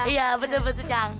iya bener bener cang